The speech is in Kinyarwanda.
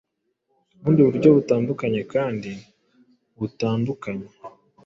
Ubundi buryo butandukanye kandi butandukanye